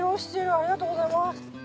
ありがとうございます。